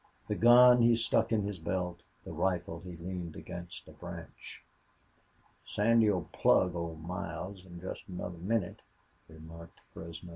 The gun he stuck in his belt; the rifle he leaned against a branch. "Sandy'll plug Old Miles in jest another minnit," remarked Fresno.